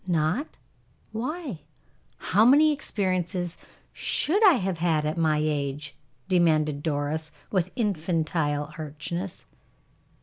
"Not? Why, how many experiences should I have had at my age?" demanded Doris, with infantine archness.